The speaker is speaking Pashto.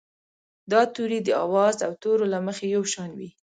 دا توري د آواز او تورو له مخې یو شان وي.